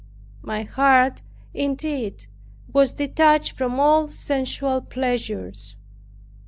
My heart, indeed, was detached from all sensual pleasures.